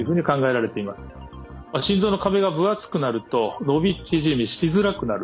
心臓の壁が分厚くなると伸び縮みしづらくなる。